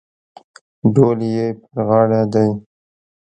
ډول یې پر غاړه دی.